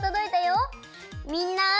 みんな。